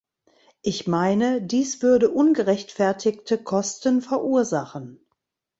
Ich meine, dies würde ungerechtfertigte Kosten verursachen.